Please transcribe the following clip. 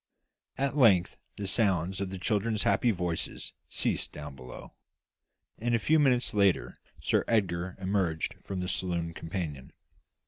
At length the sounds of the children's happy voices ceased down below: and, a few minutes later, Sir Edgar emerged from the saloon companion.